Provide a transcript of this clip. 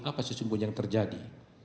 apa sesungguhnya yang terjadi